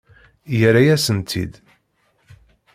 Yerra-yasen-t-id.